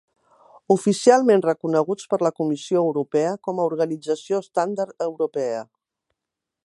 Oficialment reconeguts per la Comissió Europea com a Organització Estàndard Europea.